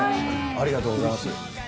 ありがとうございます。